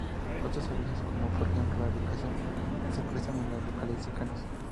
Otros servicios, como por ejemplo la educación, se prestan en las localidades cercanas.